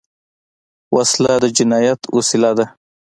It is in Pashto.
وسله د جنايت وسیله ده